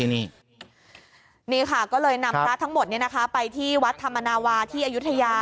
นี่ค่ะก็เลยนำพระทั้งหมดไปที่วัดธรรมนาวาที่อายุทยา